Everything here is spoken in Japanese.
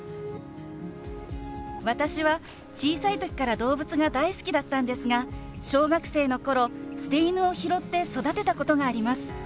私は小さい時から動物が大好きだったんですが小学生の頃捨て犬を拾って育てたことがあります。